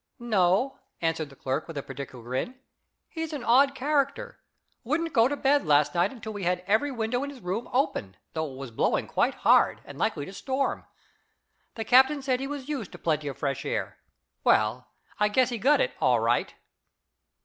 "No," answered the clerk with a peculiar grin. "He's an odd character. Wouldn't go to bed last night until we had every window in his room open, though it was blowing quite hard, and likely to storm. The captain said he was used to plenty of fresh air. Well, I guess he got it, all right."